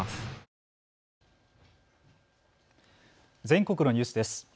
全国のニュースです。